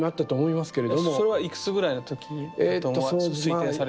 それはいくつぐらいの時だと推定されるんですか？